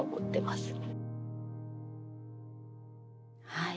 はい。